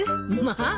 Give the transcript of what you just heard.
まあ。